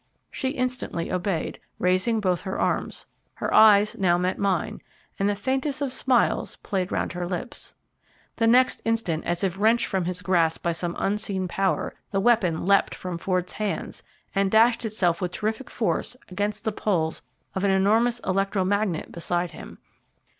She instantly obeyed, raising both her arms; her eyes now met mine, and the faintest of smiles played round her lips. The next instant, as if wrenched from his grasp by some unseen power, the weapon leapt from Ford's hands, and dashed itself with terrific force against the poles of an enormous electro magnet beside him.